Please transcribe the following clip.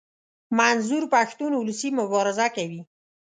منظور پښتون اولسي مبارزه کوي.